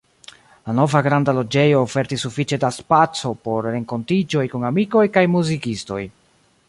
La nova granda loĝejo ofertis sufiĉe da spaco por renkontiĝoj kun amikoj kaj muzikistoj.